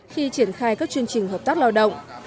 khi triển khai các chương trình hợp tác lao động